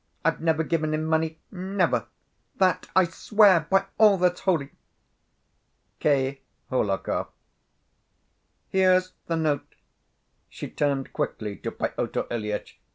I've never given him money, never: That I swear by all that's holy! K. HOHLAKOV. "Here's the note!" she turned quickly to Pyotr Ilyitch.